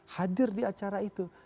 hadir di acara itu